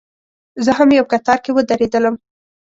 زه هم یو کتار کې ودرېدلم.